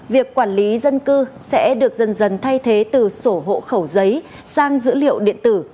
việc quản lý dân cư sẽ được dần dần thay thế từ sổ hộ khẩu giấy sang dữ liệu điện tử